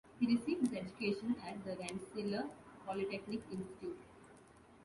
He received his education at the Rensselaer Polytechnic Institute.